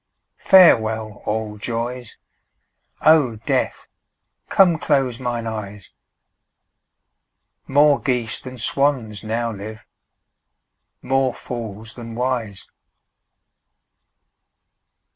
Farewell, all joys; O Death, come close mine eyes; More geese than swans now live, more fools than wise.